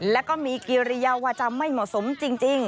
แล้วก็มีกิริยาวาจาไม่เหมาะสมจริง